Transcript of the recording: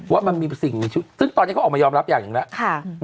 ว่ามันมีสิ่งซึ่งตอนนี้เขาออกมายอมรับอย่างอย่างนี้แหละ